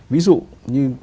ví dụ như